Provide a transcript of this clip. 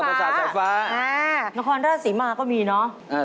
นครราชศรีมาก็มีเนอะ